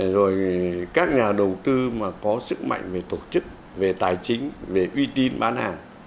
rồi các nhà đầu tư mà có sức mạnh về tổ chức về tài chính về uy tín bán hàng